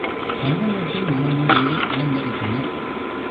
பந்தலிட்டு மண மேடையை அலங்கரித்தனர்.